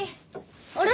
あれ？